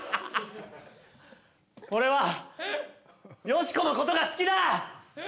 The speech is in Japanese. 俺はヨシコのことが好きだ！